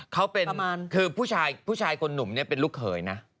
เขาเป็นคือผู้ชายผู้ชายคนหนุ่มเนี่ยเป็นลูกเขยนะ